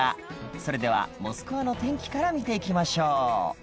それではモスクワの天気から見て行きましょう。